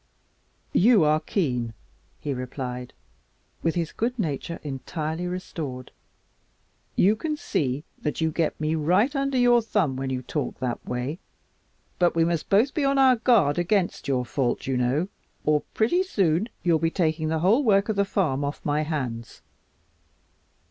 "You are keen," he replied, with his good nature entirely restored. "You can see that you get me right under your thumb when you talk that way. But we must both be on our guard against your fault, you know, or pretty soon you'll be taking the whole work of the farm off my hands."